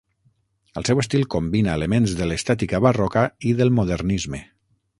El seu estil combina elements de l'estètica barroca i del modernisme.